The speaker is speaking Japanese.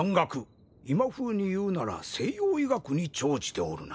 今風に言うなら西洋医学に長じておるな。